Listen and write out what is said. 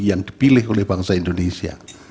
yang dipilih oleh bangsa indonesia